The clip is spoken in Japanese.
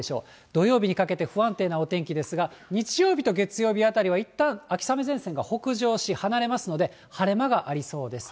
土曜日にかけて不安定なお天気ですが、日曜日と月曜日あたりは、いったん、秋雨前線が北上し、離れますので、晴れ間がありそうです。